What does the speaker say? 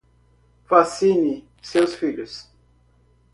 Vacine seus filhos